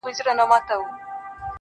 چي په دنيا کي محبت غواړمه.